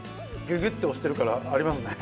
ギュギュッと押してるからありますね。